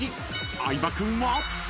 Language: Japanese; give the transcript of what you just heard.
［相葉君は？］